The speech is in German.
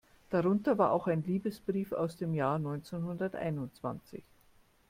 Darunter war auch ein Liebesbrief aus dem Jahr neunzehnhunderteinundzwanzig.